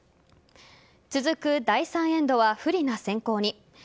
続く第３エンドは不利な先攻に。